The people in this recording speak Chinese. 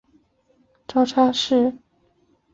招差术是中国古代数学中的高次内插法。